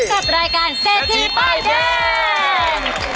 กับรายการเสร็จที่ไปแดน